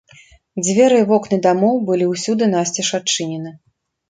Дзверы і вокны дамоў былі ўсюды насцеж адчынены.